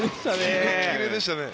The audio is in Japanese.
キレキレでしたね。